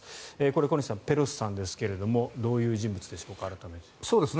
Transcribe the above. これ、小西さんペロシさんですがどういう人物でしょうか改めて。